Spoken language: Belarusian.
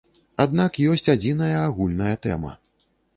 Аднак ёсць адзіная агульная тэма.